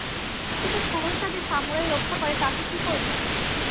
কিন্তু শহরটা যে সামুরাই রক্ষা করে তাকে কি করব?